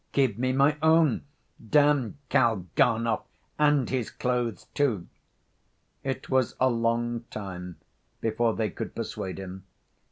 "Give me my own. Damn Kalganov and his clothes, too!" It was a long time before they could persuade him.